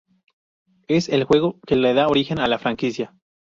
Es el juego que le da origen a la franquicia.